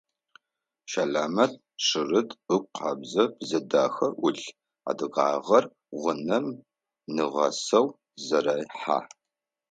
Чэлэмэт шъырыт, ыгу къабзэ, бзэ дахэ ӏулъ, адыгагъэр гъунэм нигъэсэу зэрехьэ.